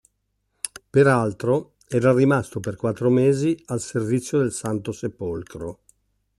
Peraltro, era rimasto per quattro mesi al servizio del Santo Sepolcro.